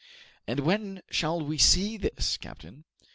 "And when shall we see this, captain?"